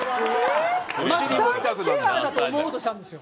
マッサージチェアだと思おうとしたんですよ。